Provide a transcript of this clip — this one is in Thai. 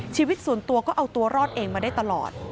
ชีวิตส่วนตัวก็เอาตัวรอดเองมาได้ตลอด